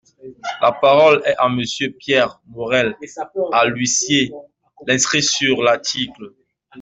La parole est à Monsieur Pierre Morel-A-L’Huissier, inscrit sur l’article.